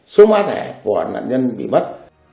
số mã thẻ của nạn nhân bị mất